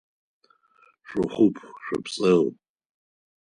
Шъухъупхъ, шъопсэу!